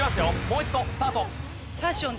もう一度スタート。